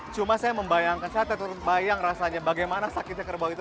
cuma saya membayangkan saya terbayang rasanya bagaimana sakitnya kerbau itu